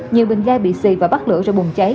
nhiều bình gabi xì và bắt lửa ra bùng cháy